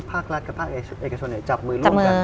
ภาครัฐกับภาคเอกชนจับมือร่วมกัน